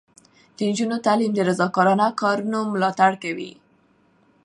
د نجونو تعلیم د رضاکارانه کارونو ملاتړ کوي.